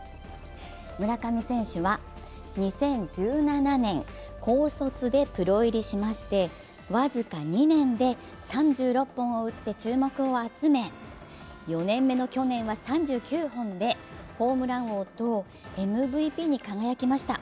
村上選手は２０１７年、高卒でプロ入りしまして僅か２年で３６本を打って注目を集め４年目の去年は３９本でホームラン王とＭＶＰに輝きました。